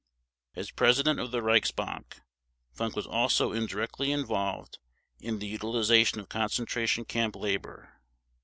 As President of the Reichsbank, Funk was also indirectly involved in the utilization of concentration camp labor.